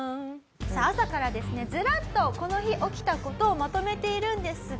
さあ朝からですねズラッとこの日起きた事をまとめているんですが。